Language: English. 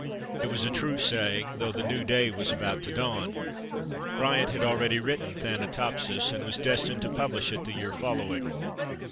It was a true saying, though the new day was about to dawn; Bryant had already written "Thanatopsis" and was destined to publish it the year following.